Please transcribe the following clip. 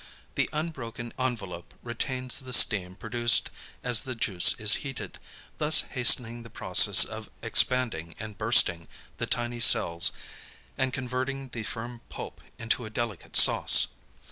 The unbroken envelope retains the steam produced as the juice is heated, thus hastening the process of expanding and bursting the tiny cells and converting the firm pulp into a delicate sauce.